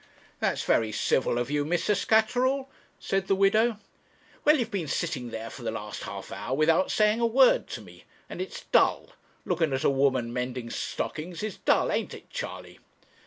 'That's very civil of you, Mr. Scatterall,' said the widow. 'Well, you've been sitting there for the last half hour without saying a word to me; and it is dull. Looking at a woman mending stockings is dull, ain't it, Charley?'